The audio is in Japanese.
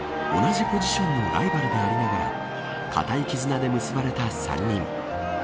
同じポジションのライバルでありながら固い絆で結ばれた３人。